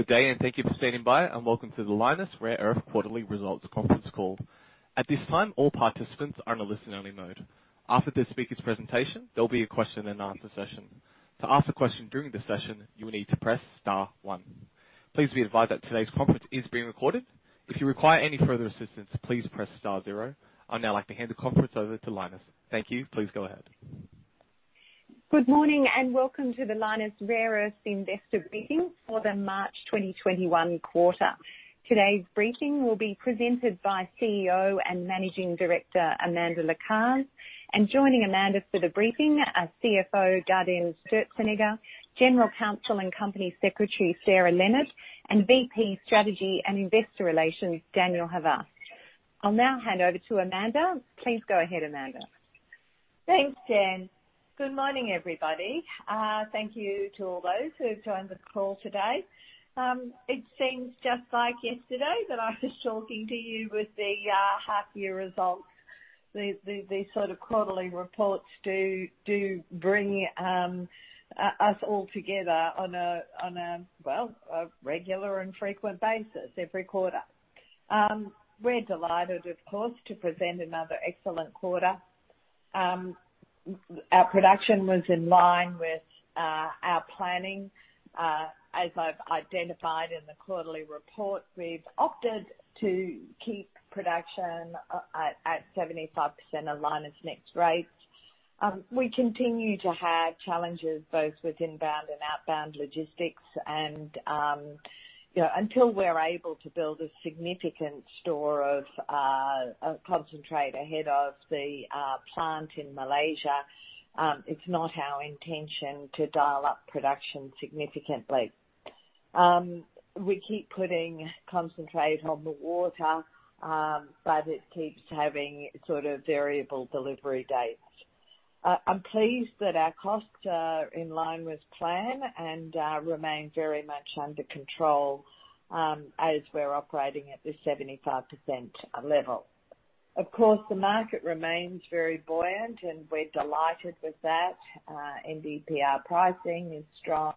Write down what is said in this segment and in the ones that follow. Good day, and thank you for standing by, and welcome to the Lynas Rare Earths quarterly results conference call. At this time, all participants are in a listen-only mode. After this speaker's presentation, there will be a question-and-answer session. To ask a question during the session, you will need to press star one. Please be advised that today's conference is being recorded. If you require any further assistance, please press star zero. I'd now like to hand the conference over to Lynas. Thank you. Please go ahead. Good morning, and welcome to the Lynas Rare Earths investor briefing for the March 2021 quarter. Today's briefing will be presented by CEO and Managing Director Amanda Lacaze, and joining Amanda for the briefing are CFO Gaudenz Sturzenegger, General Counsel and Company Secretary Sarah Leonard, and VP Strategy and Investor Relations Daniel Havas. I'll now hand over to Amanda. Please go ahead, Amanda. Thanks, Jen. Good morning, everybody. Thank you to all those who have joined the call today. It seems just like yesterday that I was talking to you with the half-year results. These sort of quarterly reports do bring us all together on a, well, a regular and frequent basis every quarter. We're delighted, of course, to present another excellent quarter. Our production was in line with our planning. As I've identified in the quarterly report, we've opted to keep production at 75% of Lynas NEXT rates. We continue to have challenges both with inbound and outbound logistics, and until we're able to build a significant store of concentrate ahead of the plant in Malaysia, it's not our intention to dial up production significantly. We keep putting concentrate on the water, but it keeps having sort of variable delivery dates. I'm pleased that our costs are in line with plan and remain very much under control as we're operating at this 75% level. Of course, the market remains very buoyant, and we're delighted with that. NdPr pricing is strong.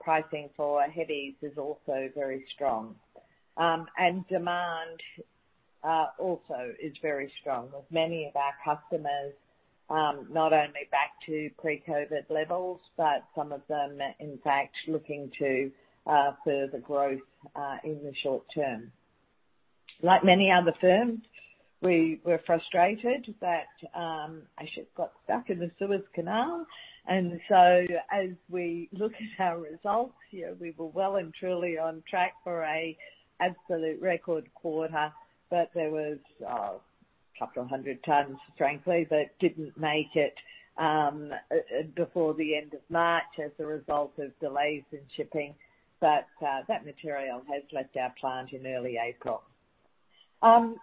Pricing for heavies is also very strong. Demand also is very strong, with many of our customers not only back to pre-COVID levels, but some of them, in fact, looking to further growth in the short term. Like many other firms, we were frustrated that our ship got stuck in the Suez Canal. So as we look at our results, we were well and truly on track for an absolute record quarter, but there was a couple of hundred tons, frankly, that didn't make it before the end of March as a result of delays in shipping. That material has left our plant in early April. I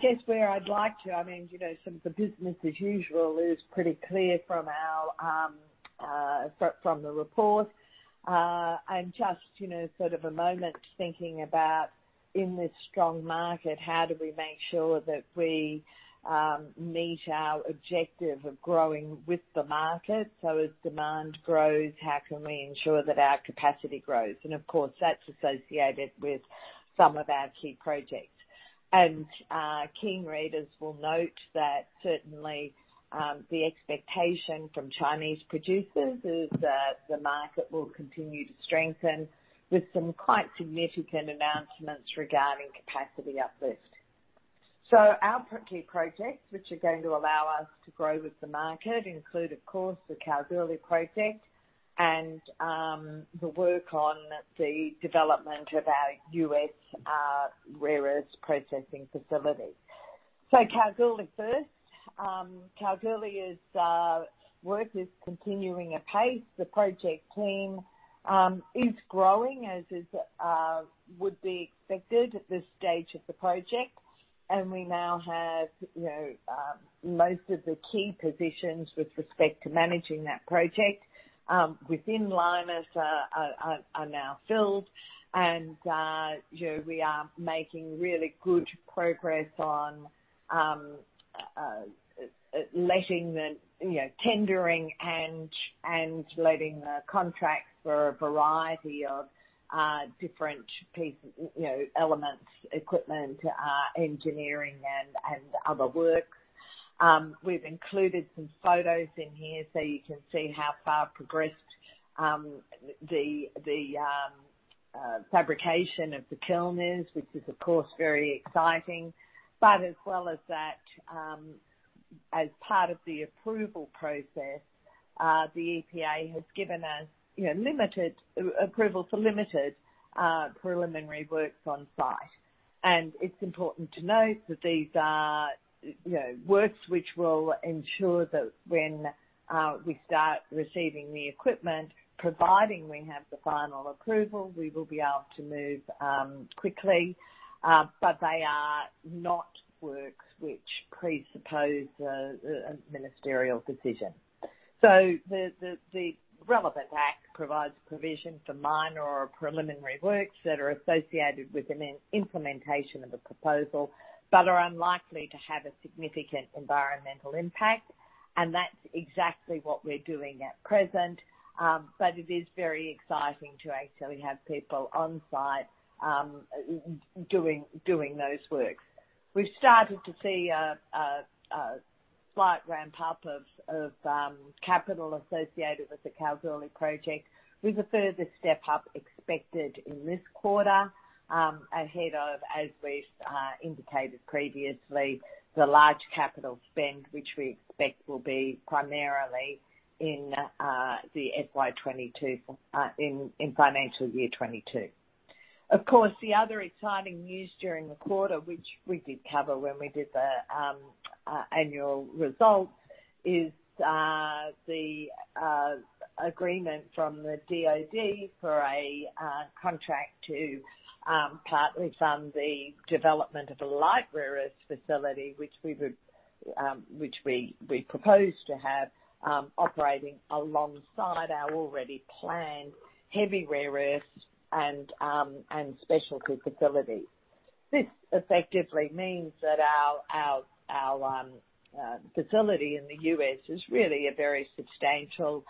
guess where I'd like to, I mean, sort of the business as usual is pretty clear from the report. And just sort of a moment thinking about, in this strong market, how do we make sure that we meet our objective of growing with the market? So as demand grows, how can we ensure that our capacity grows? And of course, that's associated with some of our key projects. And keen readers will note that certainly the expectation from Chinese producers is that the market will continue to strengthen with some quite significant announcements regarding capacity uplift. So our key projects, which are going to allow us to grow with the market, include, of course, the Kalgoorlie project and the work on the development of our U.S. rare earths processing facility. So Kalgoorlie first. Kalgoorlie's work is continuing apace. The project team is growing, as would be expected at this stage of the project. We now have most of the key positions with respect to managing that project within Lynas are now filled. We are making really good progress on letting the tendering and letting the contracts for a variety of different elements, equipment, engineering, and other works. We've included some photos in here so you can see how far progressed the fabrication of the kiln is, which is, of course, very exciting. But as well as that, as part of the approval process, the EPA has given us approval for limited preliminary works on site. It's important to note that these are works which will ensure that when we start receiving the equipment, providing we have the final approval, we will be able to move quickly. But they are not works which presuppose a ministerial decision. So the relevant act provides provision for minor or preliminary works that are associated with an implementation of a proposal, but are unlikely to have a significant environmental impact. And that's exactly what we're doing at present. But it is very exciting to actually have people on site doing those works. We've started to see a slight ramp-up of capital associated with the Kalgoorlie project, with a further step-up expected in this quarter, ahead of, as we've indicated previously, the large capital spend, which we expect will be primarily in the FY 2022, in financial year 2022. Of course, the other exciting news during the quarter, which we did cover when we did the annual results, is the agreement from the DOD for a contract to partly fund the development of a light rare earths facility, which we proposed to have operating alongside our already planned heavy rare earths and specialty facilities. This effectively means that our facility in the U.S. is really a very substantial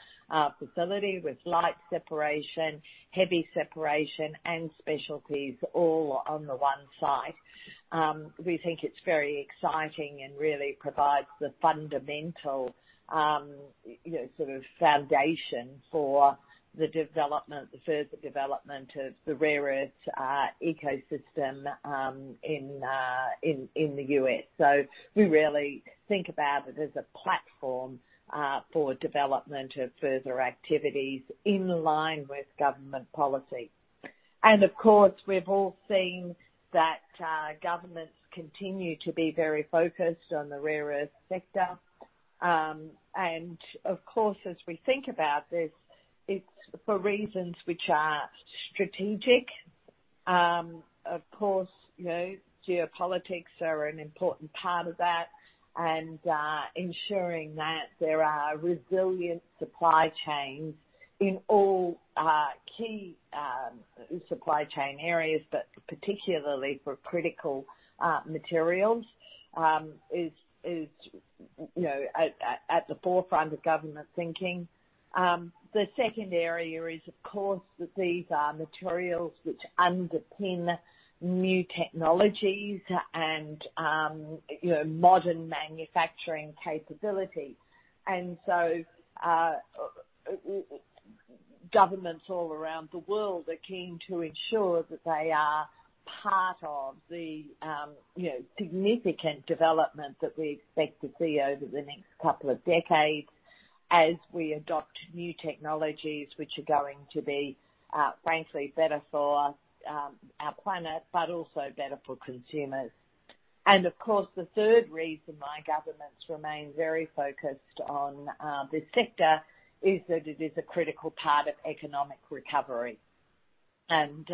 facility with light separation, heavy separation, and specialties all on the one side. We think it's very exciting and really provides the fundamental sort of foundation for the development, the further development of the rare earths ecosystem in the U.S. So we really think about it as a platform for development of further activities in line with government policy. And of course, we've all seen that governments continue to be very focused on the rare earths sector. Of course, as we think about this, it's for reasons which are strategic. Of course, geopolitics are an important part of that, and ensuring that there are resilient supply chains in all key supply chain areas, but particularly for critical materials, is at the forefront of government thinking. The second area is, of course, that these are materials which underpin new technologies and modern manufacturing capability. And so governments all around the world are keen to ensure that they are part of the significant development that we expect to see over the next couple of decades as we adopt new technologies which are going to be, frankly, better for our planet, but also better for consumers. And of course, the third reason why governments remain very focused on this sector is that it is a critical part of economic recovery. And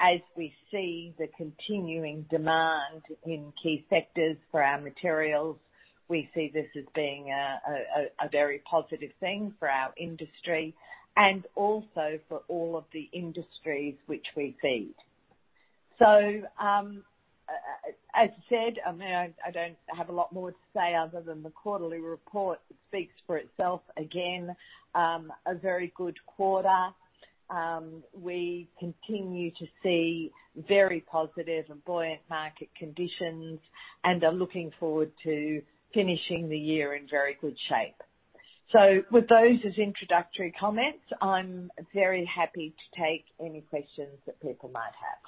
as we see the continuing demand in key sectors for our materials, we see this as being a very positive thing for our industry and also for all of the industries which we feed. So as I said, I don't have a lot more to say other than the quarterly report speaks for itself again. A very good quarter. We continue to see very positive and buoyant market conditions and are looking forward to finishing the year in very good shape. So with those as introductory comments, I'm very happy to take any questions that people might have.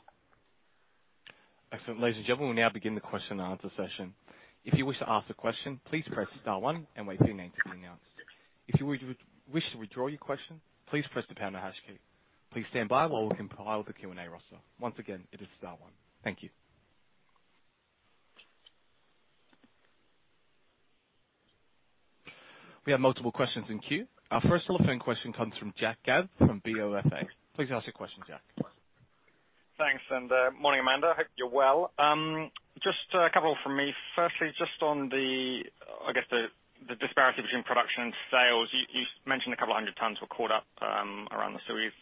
Excellent. Ladies and gentlemen, we'll now begin the question and answer session. If you wish to ask a question, please press star one and wait for your name to be announced. If you wish to withdraw your question, please press the pound or hash key. Please stand by while we compile the Q&A roster. Once again, it is star one. Thank you. We have multiple questions in queue. Our first telephone question comes from Jack Gabb from BofA. Please ask your question, Jack. Thanks. Morning, Amanda. I hope you're well. Just a couple from me. Firstly, just on the, I guess, the disparity between production and sales, you mentioned a couple of hundred tons were caught up around the Suez.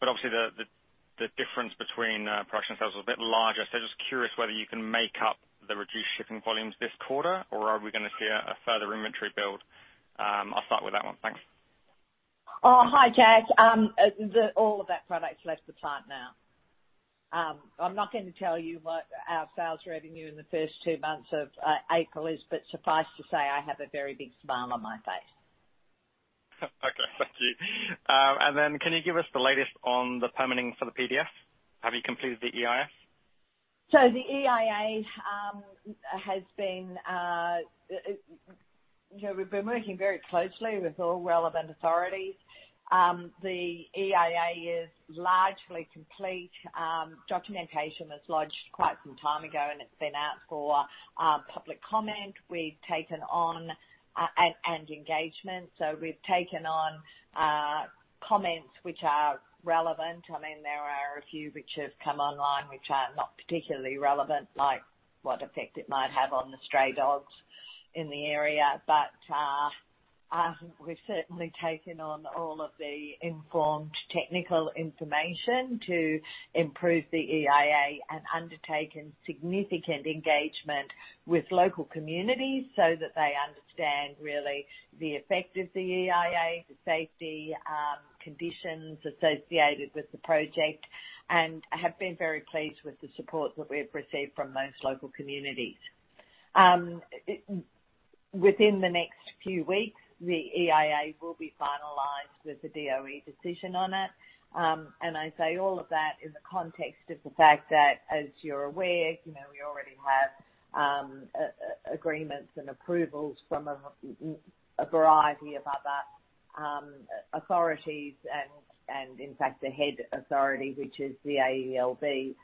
But obviously, the difference between production and sales was a bit larger. So just curious whether you can make up the reduced shipping volumes this quarter, or are we going to see a further inventory build? I'll start with that one. Thanks. Oh, hi, Jack. All of that product's left the plant now. I'm not going to tell you what our sales revenue in the first two months of April is, but suffice to say, I have a very big smile on my face. Okay. Thank you. And then can you give us the latest on the permitting for the PDF? Have you completed the EIS? So we've been working very closely with all relevant authorities. The EIA is largely complete. Documentation was lodged quite some time ago, and it's been out for public comment. We've taken on and engagement. So we've taken on comments which are relevant. I mean, there are a few which have come online which are not particularly relevant, like what effect it might have on the stray dogs in the area. But we've certainly taken on all of the informed technical information to improve the EIA and undertaken significant engagement with local communities so that they understand really the effect of the EIA, the safety conditions associated with the project, and have been very pleased with the support that we've received from most local communities. Within the next few weeks, the EIA will be finalized with the DOE decision on it. I say all of that in the context of the fact that, as you're aware, we already have agreements and approvals from a variety of other authorities and, in fact, the head authority, which is the AELB,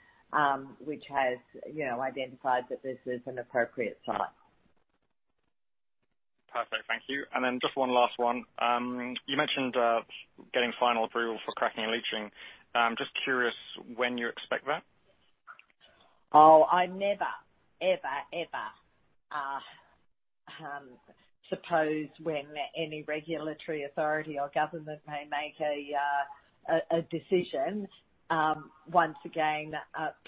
which has identified that this is an appropriate site. Perfect. Thank you. And then just one last one. You mentioned getting final approval for cracking and leaching. Just curious when you expect that? Oh, I never, ever, ever suppose when any regulatory authority or government may make a decision. Once again,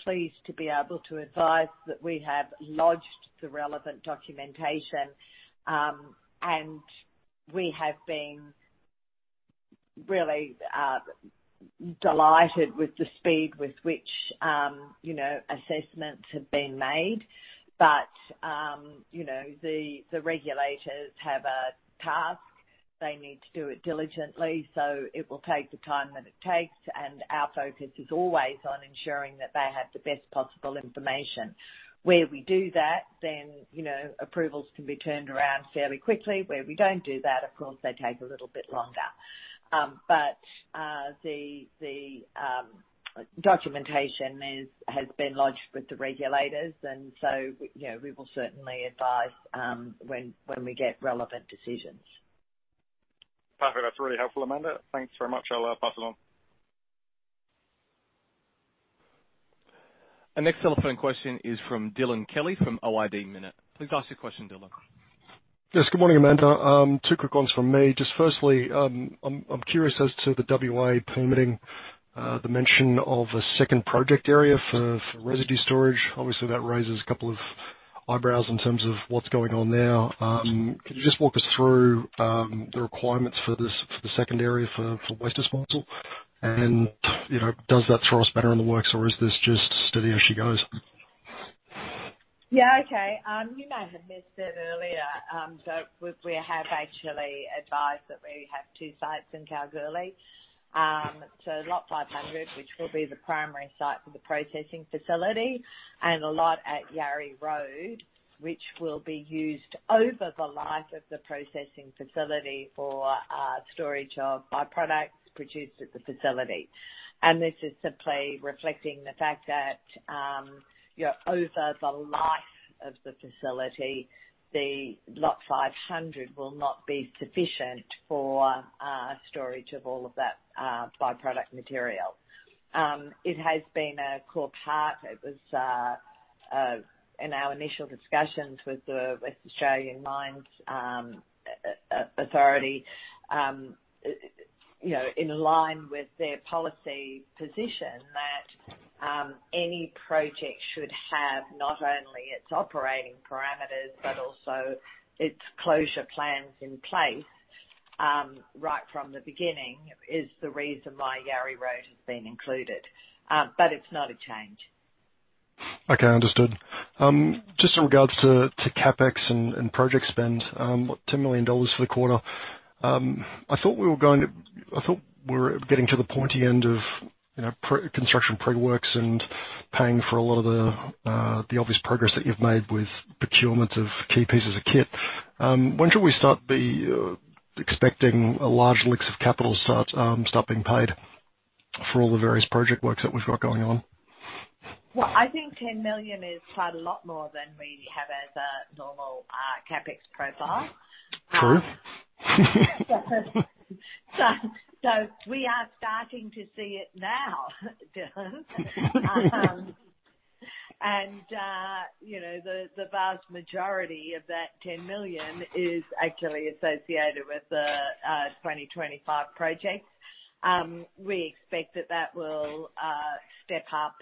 pleased to be able to advise that we have lodged the relevant documentation, and we have been really delighted with the speed with which assessments have been made. But the regulators have a task. They need to do it diligently. So it will take the time that it takes. And our focus is always on ensuring that they have the best possible information. Where we do that, then approvals can be turned around fairly quickly. Where we don't do that, of course, they take a little bit longer. But the documentation has been lodged with the regulators, and so we will certainly advise when we get relevant decisions. Perfect. That's really helpful, Amanda. Thanks very much. I'll pass it on. Our next telephone question is from Dylan Kelly from Ord Minnett. Please ask your question, Dylan. Yes. Good morning, Amanda. Two quick ones from me. Just firstly, I'm curious as to the WA permitting, the mention of a second project area for residue storage. Obviously, that raises a couple of eyebrows in terms of what's going on there. Could you just walk us through the requirements for the second area for waste disposal? And does that throw a spanner in the works, or is this just steady as she goes? Yeah. Okay. You may have missed it earlier. So we have actually advised that we have two sites in Kalgoorlie, so Lot 500, which will be the primary site for the processing facility, and a lot at Yarri Road, which will be used over the life of the processing facility for storage of byproducts produced at the facility. And this is simply reflecting the fact that over the life of the facility, the Lot 500 will not be sufficient for storage of all of that byproduct material. It has been a core part. It was in our initial discussions with the Western Australian mines authority in line with their policy position that any project should have not only its operating parameters but also its closure plans in place right from the beginning is the reason why Yarri Road has been included. But it's not a change. Okay. Understood. Just in regards to CapEx and project spend, $10 million for the quarter. I thought we were getting to the pointy end of construction pre-works and paying for a lot of the obvious progress that you've made with procurement of key pieces of kit. When shall we start expecting a large lease of capital start being paid for all the various project works that we've got going on? Well, I think 10 million is quite a lot more than we have as a normal CapEx profile. True. Yeah. So we are starting to see it now, Dylan. The vast majority of that 10 million is actually associated with the 2025 projects. We expect that that will step up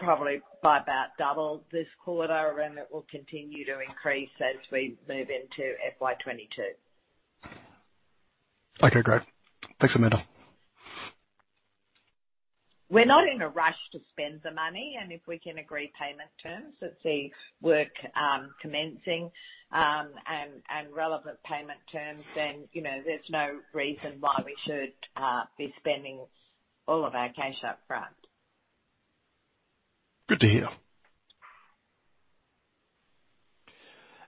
probably by about double this quarter, and it will continue to increase as we move into FY22. Okay. Great. Thanks, Amanda. We're not in a rush to spend the money. If we can agree payment terms that see work commencing and relevant payment terms, then there's no reason why we should be spending all of our cash upfront. Good to hear.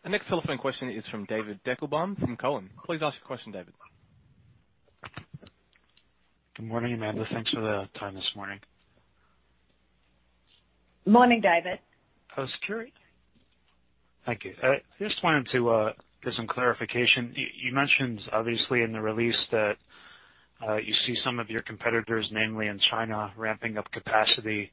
Our next telephone question is from David Deckelbaum from Cowen. Please ask your question, David. Good morning, Amanda. Thanks for the time this morning. Morning, David. Just curious. Thank you. I just wanted to get some clarification. You mentioned, obviously, in the release that you see some of your competitors, namely in China, ramping up capacity,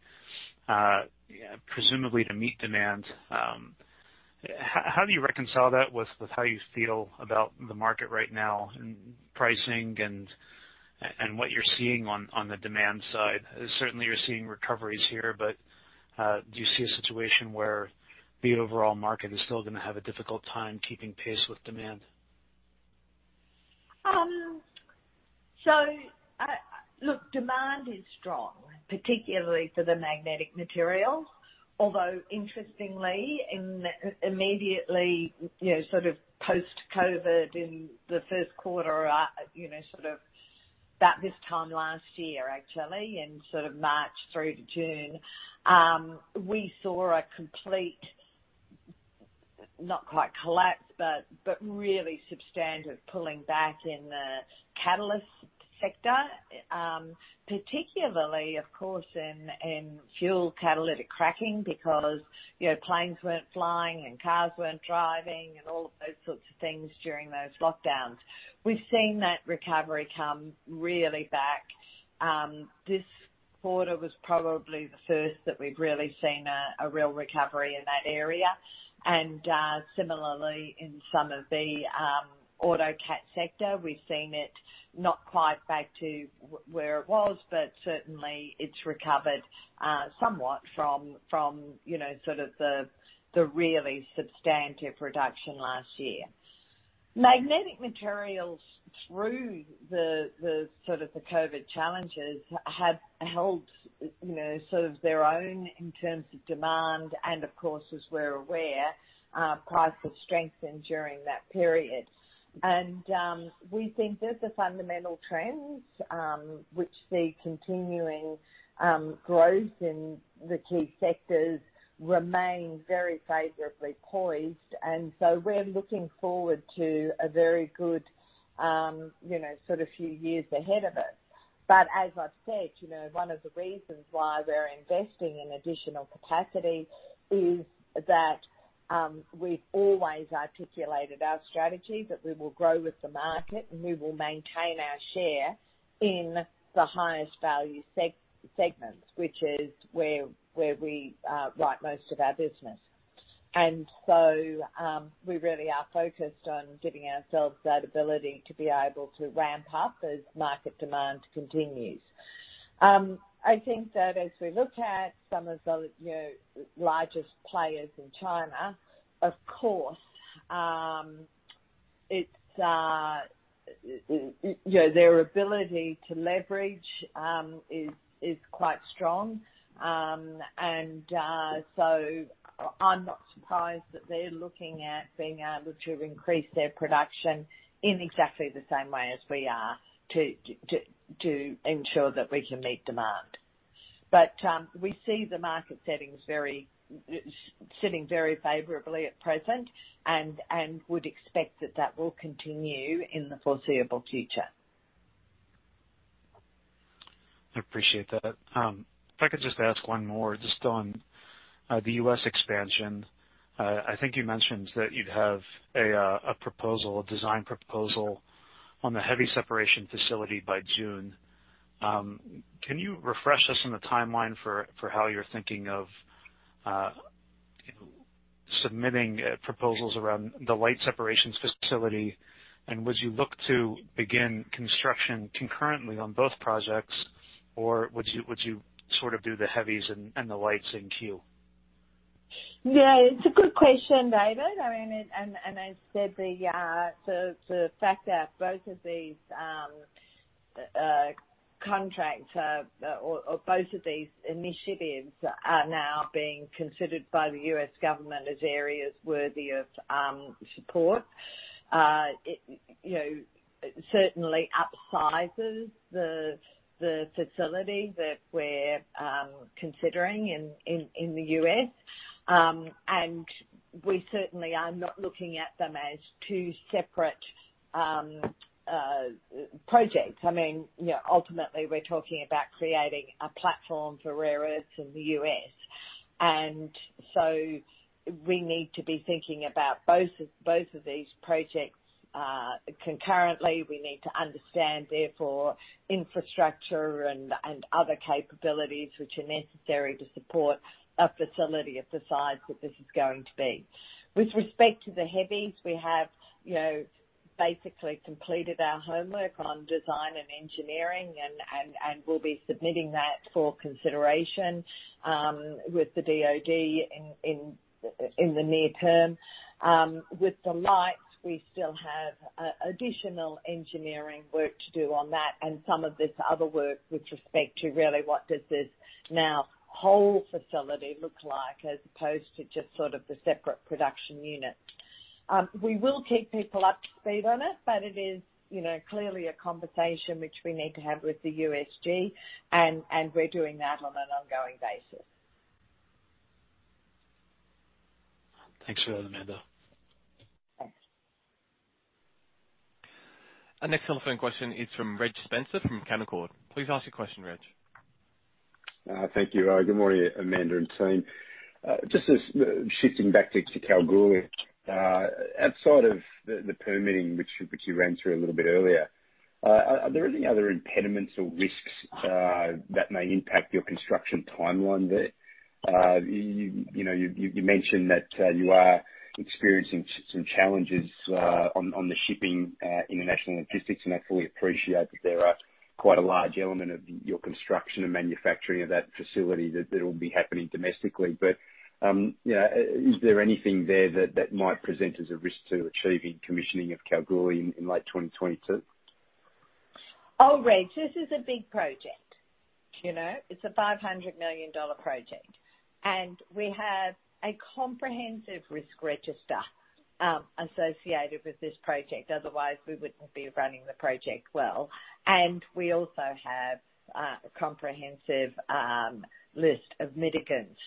presumably to meet demand. How do you reconcile that with how you feel about the market right now in pricing and what you're seeing on the demand side? Certainly, you're seeing recoveries here, but do you see a situation where the overall market is still going to have a difficult time keeping pace with demand? So look, demand is strong, particularly for the magnetic materials. Although interestingly, immediately sort of post-COVID in the first quarter, sort of about this time last year, actually, in sort of March through June, we saw a complete not quite collapse, but really substantial pulling back in the catalyst sector, particularly, of course, in fluid catalytic cracking because planes weren't flying and cars weren't driving and all of those sorts of things during those lockdowns. We've seen that recovery come roaring back. This quarter was probably the first that we've really seen a real recovery in that area. Similarly, in some of the auto cat sector, we've seen it not quite back to where it was, but certainly, it's recovered somewhat from sort of the really substantial reduction last year. Magnetic materials through sort of the COVID challenges have held sort of their own in terms of demand and, of course, as we're aware, price has strengthened during that period. And we think that the fundamental trends, which see continuing growth in the key sectors, remain very favorably poised. And so we're looking forward to a very good sort of few years ahead of us. But as I've said, one of the reasons why we're investing in additional capacity is that we've always articulated our strategy that we will grow with the market and we will maintain our share in the highest value segments, which is where we write most of our business. And so we really are focused on giving ourselves that ability to be able to ramp up as market demand continues. I think that as we look at some of the largest players in China, of course, their ability to leverage is quite strong. And so I'm not surprised that they're looking at being able to increase their production in exactly the same way as we are to ensure that we can meet demand. But we see the market settings sitting very favorably at present and would expect that that will continue in the foreseeable future. I appreciate that. If I could just ask one more, just on the U.S. expansion, I think you mentioned that you'd have a proposal, a design proposal on the heavy separation facility by June. Can you refresh us on the timeline for how you're thinking of submitting proposals around the light separations facility? And would you look to begin construction concurrently on both projects, or would you sort of do the heavies and the lights in queue? Yeah. It's a good question, David. I mean, and I said the fact that both of these contracts or both of these initiatives are now being considered by the U.S. government as areas worthy of support certainly upsizes the facility that we're considering in the U.S. We certainly are not looking at them as two separate projects. I mean, ultimately, we're talking about creating a platform for rare earths in the U.S. So we need to be thinking about both of these projects concurrently. We need to understand, therefore, infrastructure and other capabilities which are necessary to support a facility of the size that this is going to be. With respect to the heavies, we have basically completed our homework on design and engineering and will be submitting that for consideration with the DOD in the near term. With the lights, we still have additional engineering work to do on that and some of this other work with respect to really what does this now whole facility look like as opposed to just sort of the separate production units. We will keep people up to speed on it, but it is clearly a conversation which we need to have with the USG, and we're doing that on an ongoing basis. Thanks for that, Amanda. Thanks. Our next telephone question is from Reg Spencer from Canaccord. Please ask your question, Reg. Thank you. Good morning, Amanda and team. Just shifting back to Kalgoorlie, outside of the permitting which you ran through a little bit earlier, are there any other impediments or risks that may impact your construction timeline there? You mentioned that you are experiencing some challenges on the shipping in the national logistics, and I fully appreciate that there are quite a large element of your construction and manufacturing of that facility that will be happening domestically. But is there anything there that might present as a risk to achieving commissioning of Kalgoorlie in late 2022? Oh, Reg, this is a big project. It's a $500 million project. We have a comprehensive risk register associated with this project. Otherwise, we wouldn't be running the project well. We also have a comprehensive list of mitigants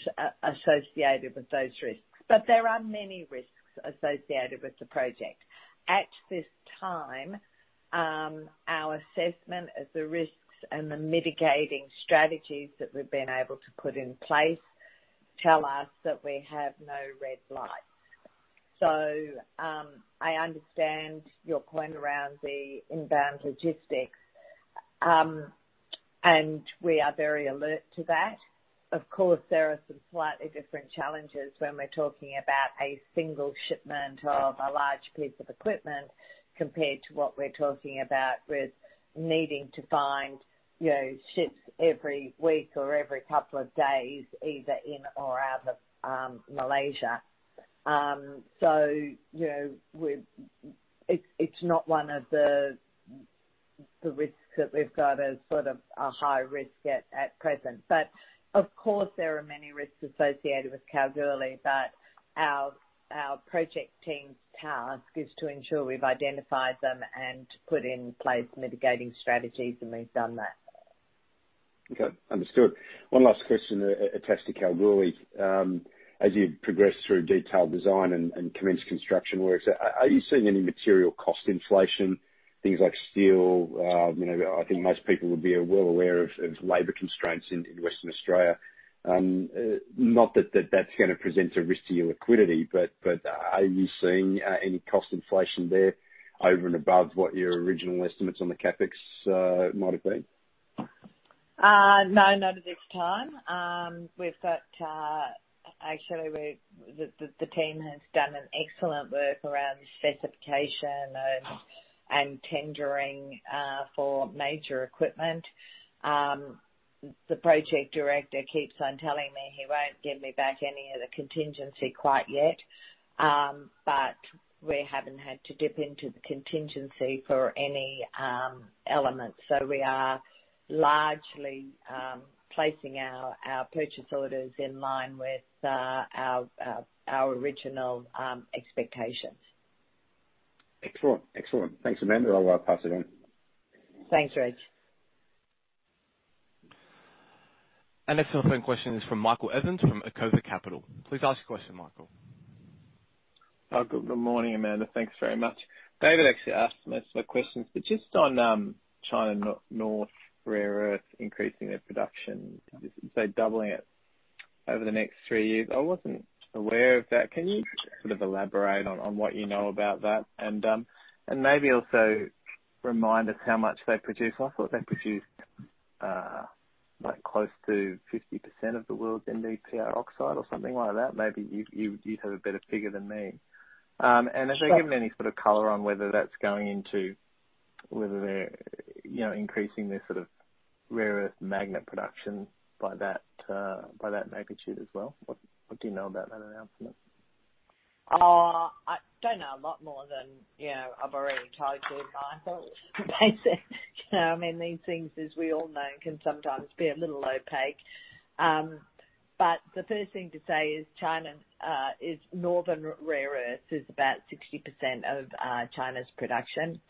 associated with those risks. There are many risks associated with the project. At this time, our assessment of the risks and the mitigating strategies that we've been able to put in place tell us that we have no red lights. I understand your point around the inbound logistics, and we are very alert to that. Of course, there are some slightly different challenges when we're talking about a single shipment of a large piece of equipment compared to what we're talking about with needing to find ships every week or every couple of days, either in or out of Malaysia. So it's not one of the risks that we've got as sort of a high risk at present. But of course, there are many risks associated with Kalgoorlie, but our project team's task is to ensure we've identified them and put in place mitigating strategies, and we've done that. Okay. Understood. One last question attached to Kalgoorlie. As you progress through detailed design and commenced construction works, are you seeing any material cost inflation, things like steel? I think most people would be well aware of labor constraints in Western Australia. Not that that's going to present a risk to your liquidity, but are you seeing any cost inflation there over and above what your original estimates on the CapEx might have been? No, not at this time. Actually, the team has done an excellent work around specification and tendering for major equipment. The project director keeps on telling me he won't give me back any of the contingency quite yet, but we haven't had to dip into the contingency for any elements. So we are largely placing our purchase orders in line with our original expectations. Excellent. Excellent. Thanks, Amanda. I'll pass it on. Thanks, Reg. Our next telephone question is from Michael Evans from Acorn Capital. Please ask your question, Michael. Good morning, Amanda. Thanks very much. David actually asked most of my questions, but just on China Northern Rare Earth, increasing their production, say, doubling it over the next three years. I wasn't aware of that. Can you sort of elaborate on what you know about that and maybe also remind us how much they produce? I thought they produced close to 50% of the world's NdPr oxide or something like that. Maybe you'd have a better figure than me. And have they given any sort of color on whether that's going into whether they're increasing their sort of rare earth magnet production by that magnitude as well? What do you know about that announcement? I don't know a lot more than I've already told you, Michael. I mean, these things, as we all know, can sometimes be a little opaque. But the first thing to say is Northern Rare Earth is about 60% of China's production.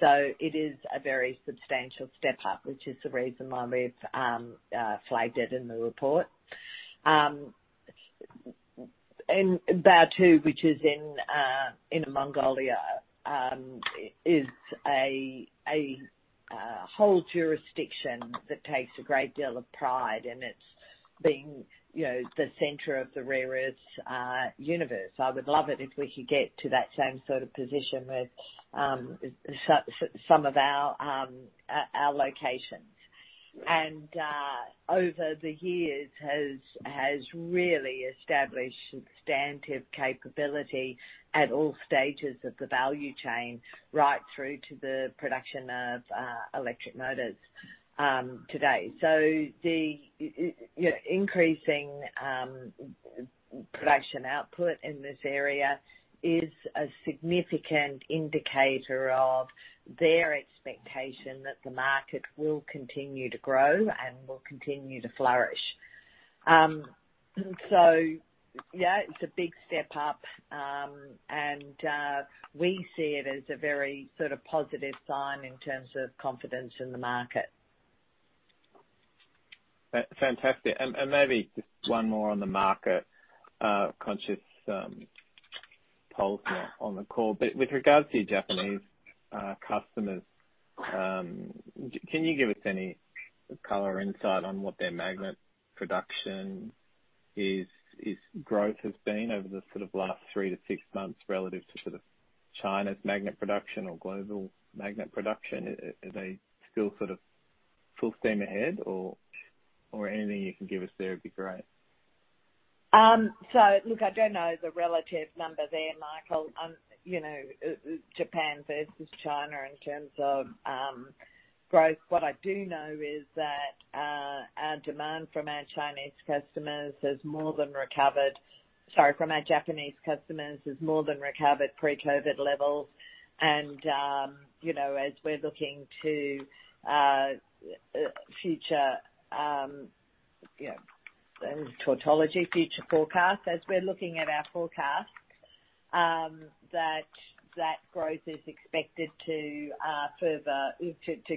So it is a very substantial step up, which is the reason why we've flagged it in the report. And Baotou, which is in Mongolia, is a whole jurisdiction that takes a great deal of pride, and it's been the center of the rare earths universe. I would love it if we could get to that same sort of position with some of our locations. And over the years, it has really established substantive capability at all stages of the value chain, right through to the production of electric motors today. So the increasing production output in this area is a significant indicator of their expectation that the market will continue to grow and will continue to flourish. So yeah, it's a big step up, and we see it as a very sort of positive sign in terms of confidence in the market. Fantastic. And maybe just one more on the market consensus poll on the call. But with regards to your Japanese customers, can you give us any color or insight on what their magnet production growth has been over the sort of last 3-6 months relative to sort of China's magnet production or global magnet production? Are they still sort of full steam ahead, or anything you can give us there would be great? So look, I don't know the relative number there, Michael. Japan versus China in terms of growth. What I do know is that our demand from our Chinese customers has more than recovered sorry, from our Japanese customers has more than recovered pre-COVID levels. And as we're looking to future outlook, future forecasts, as we're looking at our forecasts, that growth is expected to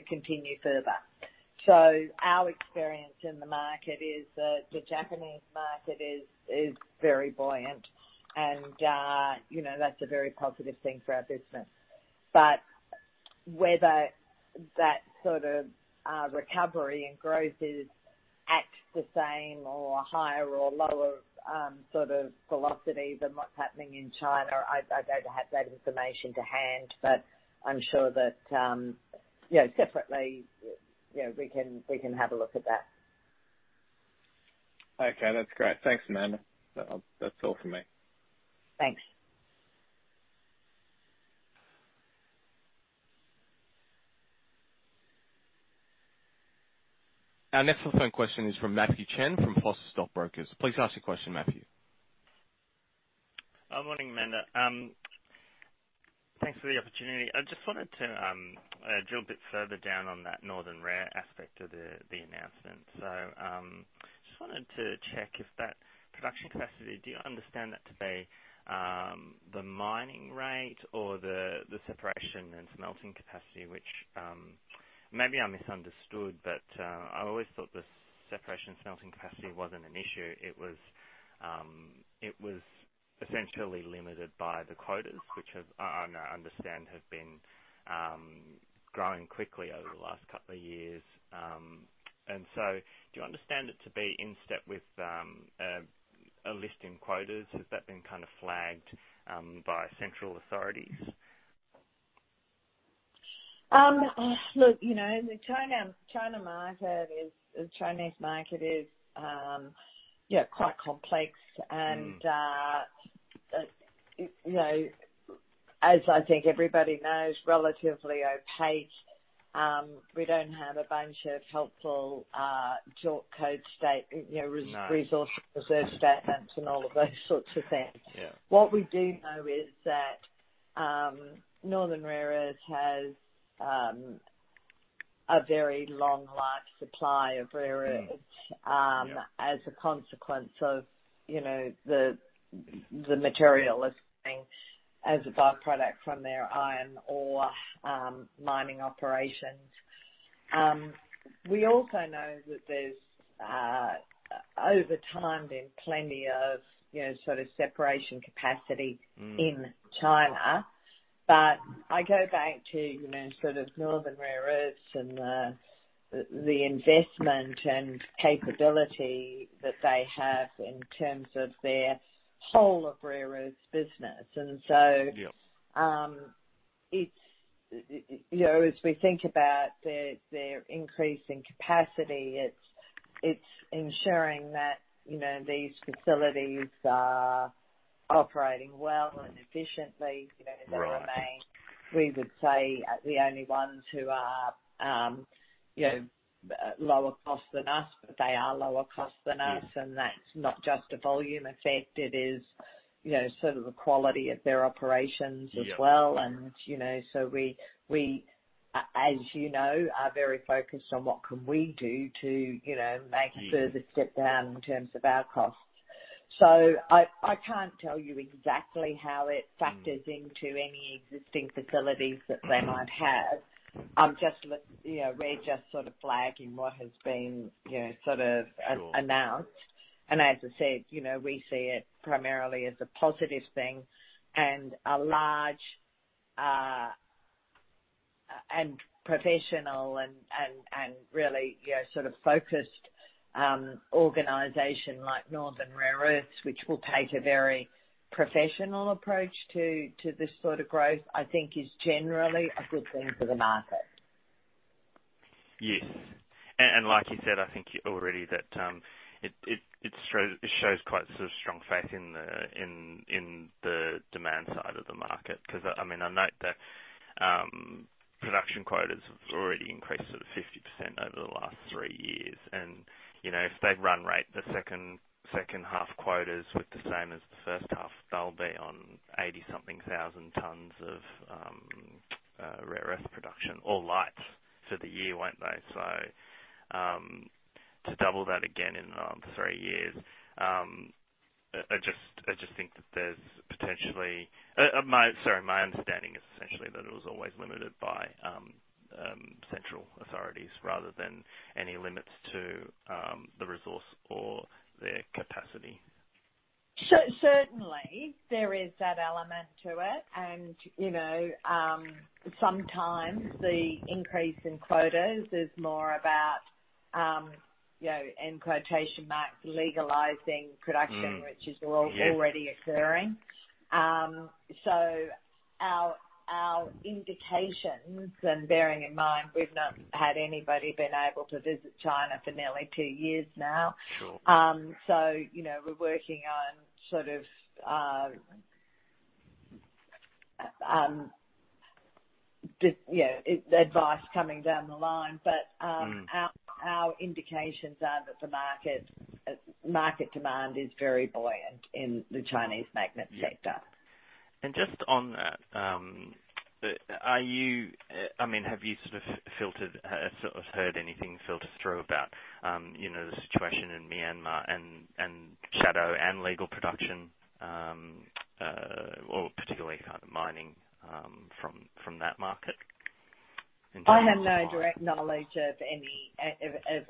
continue further. So our experience in the market is that the Japanese market is very buoyant, and that's a very positive thing for our business. But whether that sort of recovery and growth is at the same or higher or lower sort of velocity than what's happening in China, I don't have that information to hand, but I'm sure that separately, we can have a look at that. Okay. That's great. Thanks, Amanda. That's all from me. Thanks. Our next telephone question is from Matthew Chen from Foster Stockbroking. Please ask your question, Matthew. Good morning, Amanda. Thanks for the opportunity. I just wanted to drill a bit further down on that Northern Rare Earth aspect of the announcement. So I just wanted to check if that production capacity, do you understand that to be the mining rate or the separation and smelting capacity, which maybe I misunderstood, but I always thought the separation and smelting capacity wasn't an issue. It was essentially limited by the quotas, which I understand have been growing quickly over the last couple of years. And so do you understand it to be in step with a lifting in quotas? Has that been kind of flagged by central authorities? Look, the China market, the Chinese market is quite complex. As I think everybody knows, relatively opaque. We don't have a bunch of helpful resource reserve statements and all of those sorts of things. What we do know is that Northern Rare Earth has a very long life supply of rare earth as a consequence of the material as a byproduct from their iron ore mining operations. We also know that there's over time in plenty of sort of separation capacity in China. But I go back to sort of Northern Rare Earths and the investment and capability that they have in terms of their whole of rare earths business. So as we think about their increase in capacity, it's ensuring that these facilities are operating well and efficiently. They remain, we would say, the only ones who are lower cost than us, but they are lower cost than us. And that's not just a volume effect. It is sort of the quality of their operations as well. And so we, as you know, are very focused on what can we do to make a further step down in terms of our costs. So I can't tell you exactly how it factors into any existing facilities that they might have. I'm just sort of flagging what has been sort of announced. And as I said, we see it primarily as a positive thing and a large and professional and really sort of focused organization like Northern Rare Earths, which will take a very professional approach to this sort of growth, I think is generally a good thing for the market. Yes. And like you said, I think already that it shows quite sort of strong faith in the demand side of the market because, I mean, I note that production quotas have already increased sort of 50% over the last three years. And if they run rate the second half quotas with the same as the first half, they'll be on 80-something thousand tons of rare earth production or lights for the year, won't they? So to double that again in three years, I just think that there's potentially, sorry, my understanding is essentially that it was always limited by central authorities rather than any limits to the resource or their capacity. Certainly, there is that element to it. Sometimes the increase in quotas is more about, in quotation marks, legalizing production, which is already occurring. Our indications, and bearing in mind we've not had anybody been able to visit China for nearly two years now. We're working on sort of advice coming down the line. But our indications are that the market demand is very buoyant in the Chinese magnet sector. Just on that, I mean, have you sort of filtered or sort of heard anything filter through about the situation in Myanmar and shadow and legal production or particularly kind of mining from that market? I have no direct knowledge of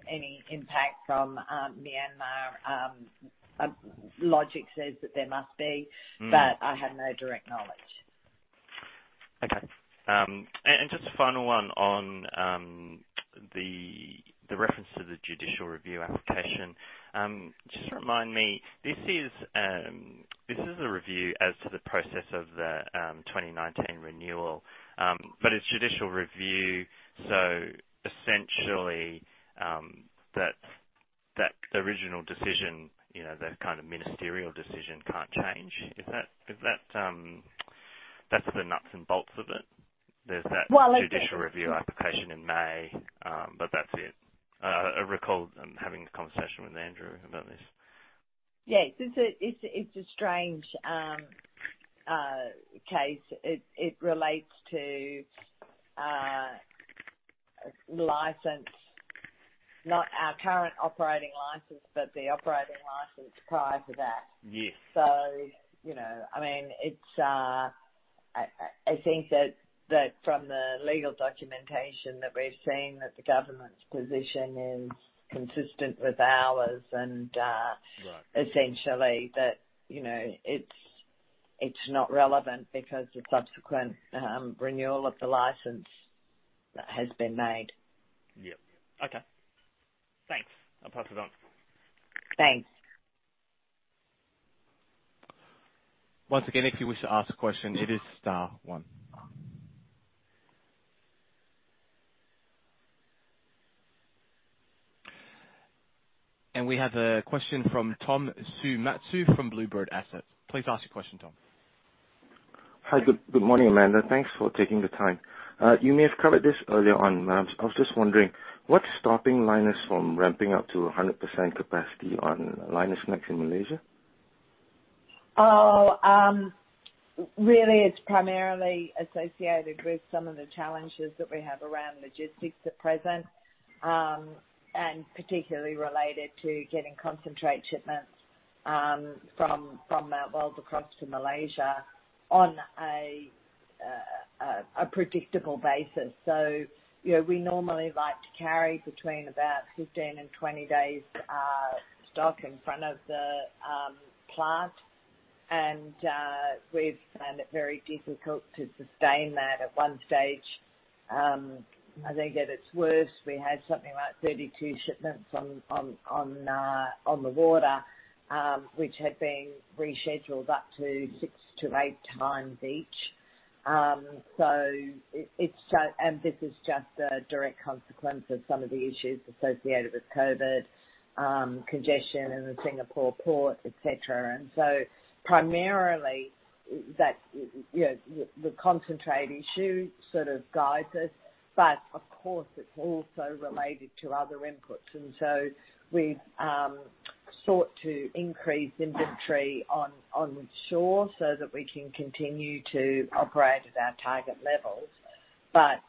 any impact from Myanmar. Logic says that there must be, but I have no direct knowledge. Okay. And just a final one on the reference to the judicial review application. Just remind me, this is a review as to the process of the 2019 renewal, but it's judicial review. So essentially, that original decision, that kind of ministerial decision can't change. Is that—that's the nuts and bolts of it? There's that judicial review application in May, but that's it. I recall having a conversation with Andrew about this. Yes. It's a strange case. It relates to license, not our current operating license, but the operating license prior to that. So I mean, I think that from the legal documentation that we've seen, that the government's position is consistent with ours and essentially that it's not relevant because the subsequent renewal of the license has been made. Yep. Okay. Thanks. I'll pass it on. Thanks. Once again, if you wish to ask a question, it is star one. We have a question from Tom Sumazu from Bluebird Assets. Please ask your question, Tom. Hi. Good morning, Amanda. Thanks for taking the time. You may have covered this earlier on, but I was just wondering, what's stopping Lynas from ramping up to 100% capacity on Lynas NEXT in Malaysia? Oh, really, it's primarily associated with some of the challenges that we have around logistics at present and particularly related to getting concentrate shipments from Mt Weld across to Malaysia on a predictable basis. So we normally like to carry between about 15-20 days stock in front of the plant, and we've found it very difficult to sustain that at one stage. I think at its worst, we had something like 32 shipments on the water, which had been rescheduled up to 6-8 times each. And this is just a direct consequence of some of the issues associated with COVID, congestion in the Singapore port, etc. And so primarily, the concentrate issue sort of guides us. But of course, it's also related to other inputs. And so we've sought to increase inventory on shore so that we can continue to operate at our target levels. But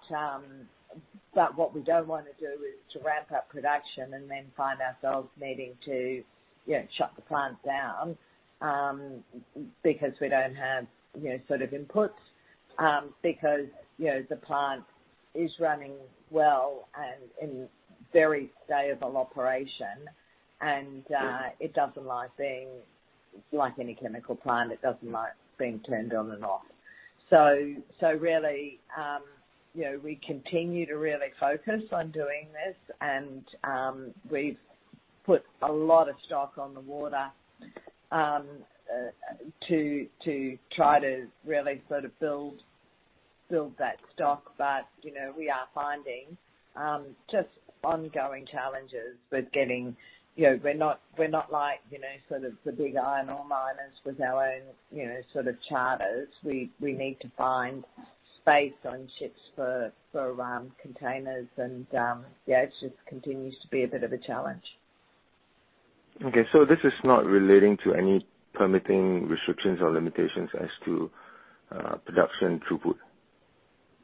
what we don't want to do is to ramp up production and then find ourselves needing to shut the plant down because we don't have sort of inputs because the plant is running well and in very stable operation, and it doesn't like being like any chemical plant. It doesn't like being turned on and off. So really, we continue to really focus on doing this, and we've put a lot of stock on the water to try to really sort of build that stock. But we are finding just ongoing challenges with getting, we're not like sort of the big iron ore miners with our own sort of charters. We need to find space on ships for containers, and yeah, it just continues to be a bit of a challenge. Okay. So this is not relating to any permitting restrictions or limitations as to production throughput?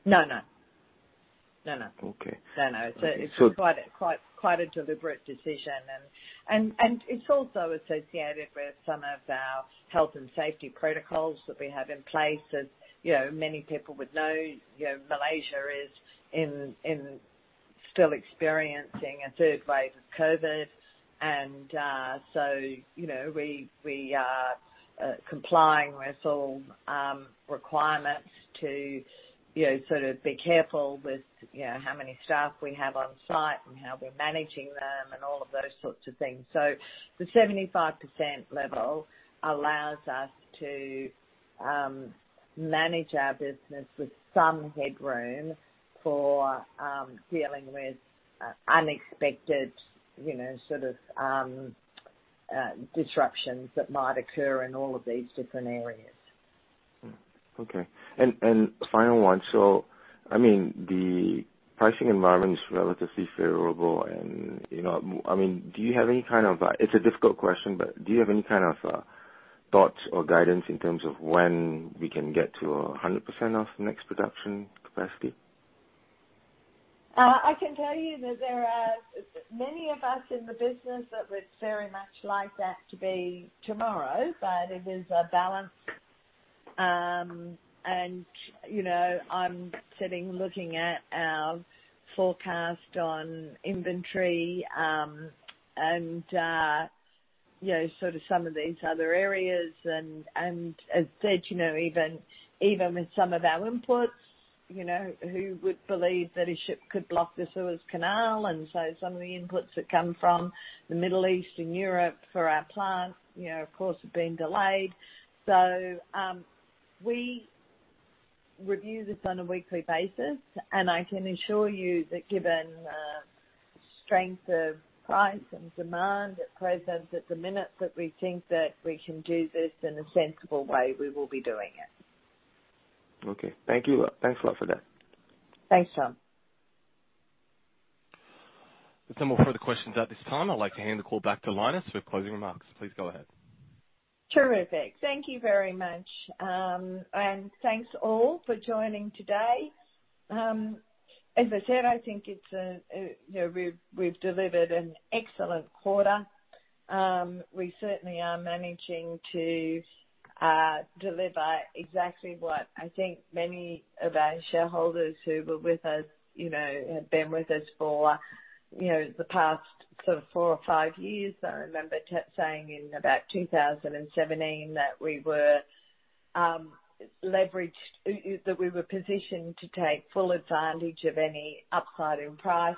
No, no. No, no. Okay. So. No, no. It's quite a deliberate decision. It's also associated with some of our health and safety protocols that we have in place. As many people would know, Malaysia is still experiencing a third wave of COVID. So we are complying with all requirements to sort of be careful with how many staff we have on site and how we're managing them and all of those sorts of things. So the 75% level allows us to manage our business with some headroom for dealing with unexpected sort of disruptions that might occur in all of these different areas. Okay. Final one. So I mean, the pricing environment is relatively favorable. And I mean, do you have any kind of, it's a difficult question, but do you have any kind of thoughts or guidance in terms of when we can get to 100% of next production capacity? I can tell you that there are many of us in the business that would very much like that to be tomorrow, but it is a balance. I'm sitting looking at our forecast on inventory and sort of some of these other areas. As I said, even with some of our inputs, who would believe that a ship could block the Suez Canal? Some of the inputs that come from the Middle East and Europe for our plant, of course, have been delayed. We review this on a weekly basis, and I can assure you that given the strength of price and demand at present, at the minute that we think that we can do this in a sensible way, we will be doing it. Okay. Thank you. Thanks a lot for that. Thanks, Tom. There's no more further questions at this time. I'd like to hand the call back to Lynus for closing remarks. Please go ahead. Terrific. Thank you very much. Thanks all for joining today. As I said, I think we've delivered an excellent quarter. We certainly are managing to deliver exactly what I think many of our shareholders who were with us have been with us for the past sort of four or five years. I remember saying in about 2017 that we were leveraged, that we were positioned to take full advantage of any upside in price.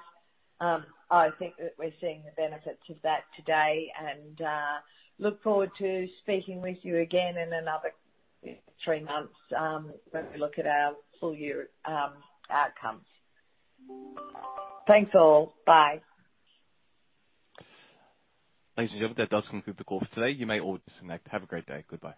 I think that we're seeing the benefits of that today and look forward to speaking with you again in another three months when we look at our full year outcomes. Thanks all. Bye. Thanks, Elizabeth. That does conclude the call for today. You may all disconnect. Have a great day, goodbye.